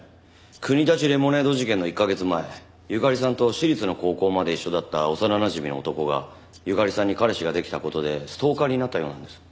国立レモネード事件の１カ月前友加里さんと私立の高校まで一緒だった幼なじみの男が友加里さんに彼氏ができた事でストーカーになったようなんです。